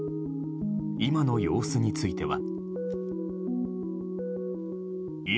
今の様子については。